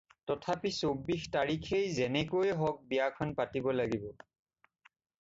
তথাপি চৌবিশ তাৰিখেই যেনেকৈ হওক বিয়াখন পাতিব লাগিব।